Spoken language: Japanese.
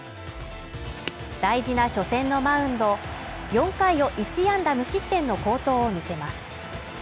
大事な初戦のマウンド４回を１安打無失点の好投を見せます。